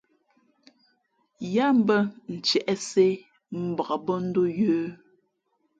Yáá mbᾱ ntiēʼsē mbak bᾱ ndō yə̌.